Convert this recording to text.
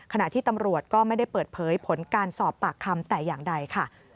ขณะที่ตำรวจก็ไม่ได้เปิดเผยผลการสอบปากคำแต่อย่างใดค่ะ